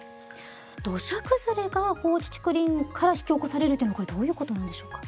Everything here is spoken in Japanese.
土砂崩れが放置竹林から引き起こされるというのはこれどういうことなんでしょうか。